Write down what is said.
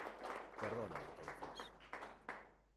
perdone entonces.